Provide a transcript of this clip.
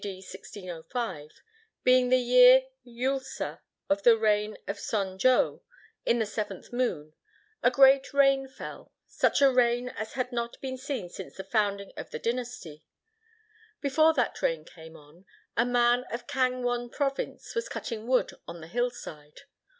D. 1605), being the year Eulsa of the reign of Son jo, in the seventh moon, a great rain fell, such a rain as had not been seen since the founding of the dynasty. Before that rain came on, a man of Kang won Province was cutting wood on the hill side.